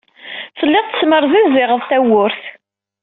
Telliḍ tesmerziziɣeḍ tawwurt.